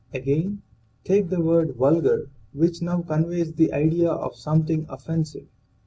Again, take the word vulgar, which now conveys the idea of something offensive.